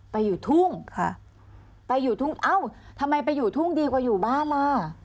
ไปอยู่ทุ่งค่ะไปอยู่ทุ่งเอ้าทำไมไปอยู่ทุ่งดีกว่าอยู่บ้านล่ะ